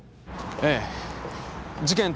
ええ事件